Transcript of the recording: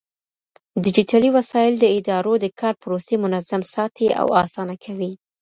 ډيجيټلي وسايل د ادارو د کار پروسې منظم ساتي او آسانه کوي.